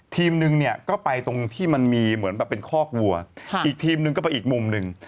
ทีมนึงเนี่ยก็ไปตรงที่มันมีเหมือนแบบเป็นคอกวัวอีกทีมนึงก็ไปอีกมุมหนึ่ง